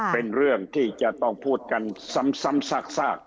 เป็นเรื่องที่จะต้องพูดกันซ้ำซาก